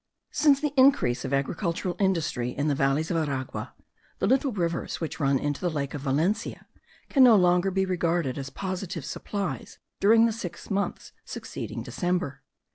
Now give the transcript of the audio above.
Since the increase of agricultural industry in the valleys of Aragua, the little rivers which run into the lake of Valencia can no longer be regarded as positive supplies during the six months succeeding December.